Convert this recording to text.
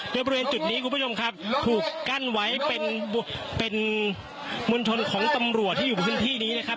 โดยบริเวณจุดนี้คุณผู้ชมครับถูกกั้นไว้เป็นมวลชนของตำรวจที่อยู่บนพื้นที่นี้นะครับ